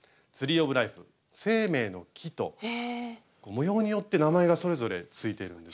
模様によって名前がそれぞれ付いてるんです。